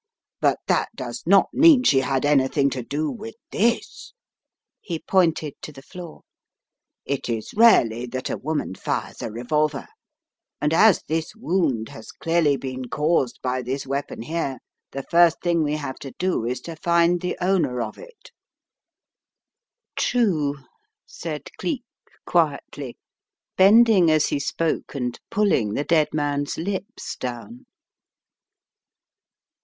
"But that does not mean she had anything to do with this" he pointed to the floor. "It is rarely that a woman fires a revblver, and as this wound has clearly been caused by this weapon here the; first thing we have to do is to find the owner of it." "True," said Cleek, quietly, bending as he spokd and pulling the dead man's lips down.